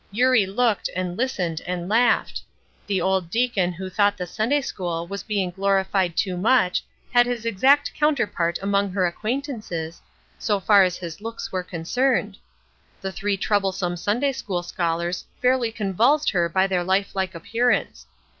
Eurie looked, and listened, and laughed. The old deacon who thought the Sunday school was being glorified too much had his exact counterpart among her acquaintances, so far as his looks were concerned. The three troublesome Sunday school scholars fairly convulsed her by their life like appearance.